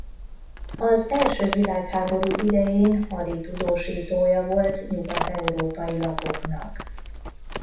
Az első világháború idején haditudósítója volt nyugat-európai lapoknak.